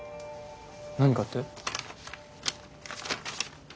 何かって？